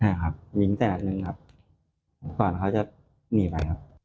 ใช่ครับยิงแตกหนึ่งครับก่อนเขาจะหนีไปครับ